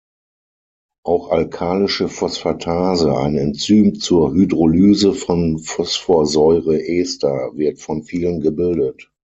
Auch Alkalische Phosphatase, ein Enzym zur Hydrolyse von Phosphorsäureester, wird von vielen gebildet.